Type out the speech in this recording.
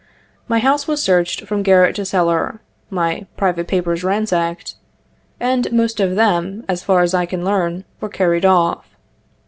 My house was searched from garret to cellar — my private papers ransacked, and 77 most of them, as far as I can learn, were carried off.